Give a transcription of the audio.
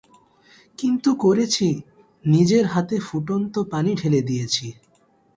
কিন্তু করেছি, নিজের হাতে ফুটন্ত পানি ঢেলে দিয়েছি।